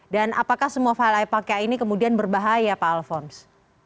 dan apakah semua file apk ini kemudian berbahaya pak alfons